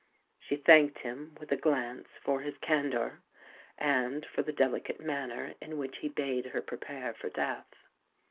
She thanked him with a glance for his candour, and for the delicate manner in which he bade her prepare for death.